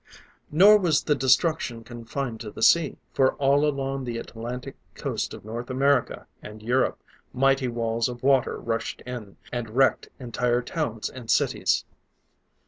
Nor was the destruction confined to the sea, for all along the Atlantic coast of North America and Europe, mighty walls of water rushed in, and wrecked entire towns and cities.